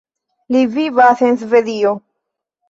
Li vivas en Svedio.